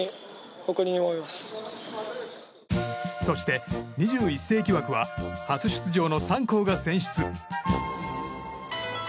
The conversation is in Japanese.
そして、２１世紀枠は初出場の３校が選出。